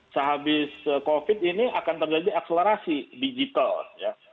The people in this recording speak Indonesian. sehabis covid ini akan terjadi akselerasi digital ya